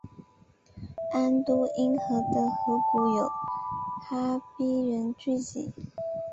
安都因河的河谷有哈比人聚居。